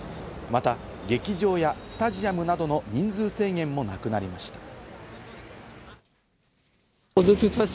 また劇場やスタジアムなどの人数制限もなくなりました。